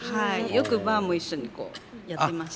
よくばあも一緒にやってました。